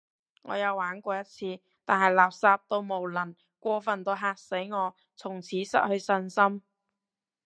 我有玩過一次，但係垃圾到無倫，過份到嚇死我，從此失去信心